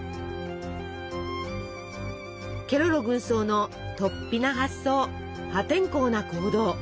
ケロロ軍曹のとっぴな発想破天荒な行動